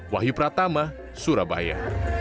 wahyu pratama surabaya